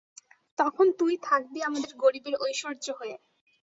তখন তুই থাকবি আমাদের গরিবের ঐশ্বর্য হয়ে।